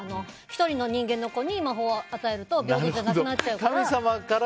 １人の人間の子に魔法を与えると平等じゃなくなっちゃうから。